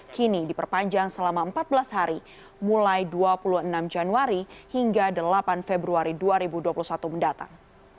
kini diperpanjang selama empat belas hari mulai dua puluh enam januari hingga delapan februari dua ribu dua puluh satu mendatang